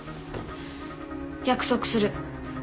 約束する